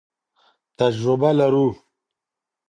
تجربه لرو.